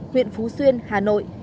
huyện phú xuyên hà nội